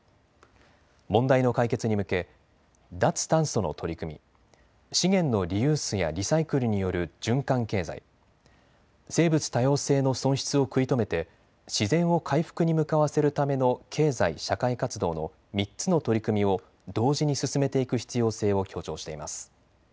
問題の解決に向け脱炭素の取り組み、資源のリユースやリサイクルによる循環経済、生物多様性の損失を食い止めて自然を回復に向かわせるための経済・社会活動の３つの取り組みを同時に進めていく必要性を強調しています。